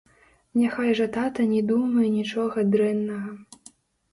Няхай жа тата не думае нічога дрэннага.